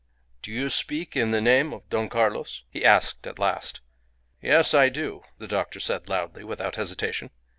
"Do you speak in the name of Don Carlos?" he asked at last. "Yes. I do," the doctor said, loudly, without hesitation.